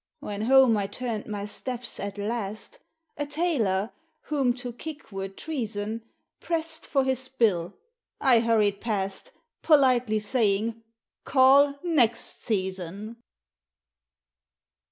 When home I turned my steps, at last, A tailor whom to kick were treason Pressed for his bill; I hurried past, Politely saying CALL NEXT SEASON!